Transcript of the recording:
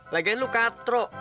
lagian lu katrok